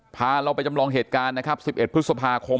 พาเราไปจำลองเหตุการณ์นะครับ๑๑พฤษภาคม